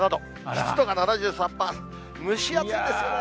湿度が７３パー、蒸し暑いですね。